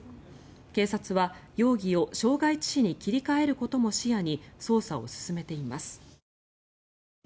警察は、容疑を傷害致死に切り替えることも視野に捜査を進めています。